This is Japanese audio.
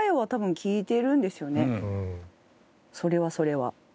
それはそれは。